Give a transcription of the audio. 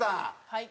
はい。